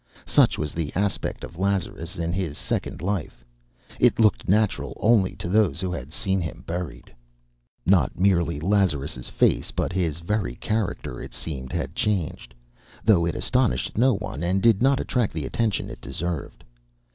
Such was the aspect of Lazarus in his second life. It looked natural only to those who had seen him buried. Not merely Lazarus' face, but his very character, it seemed, had changed; though it astonished no one and did not attract the attention it deserved.